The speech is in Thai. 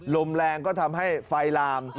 ลมแรงก็ทำให้ไฟลาม